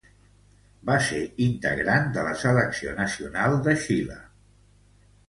Va ser integrant de la selecció nacional de Xile.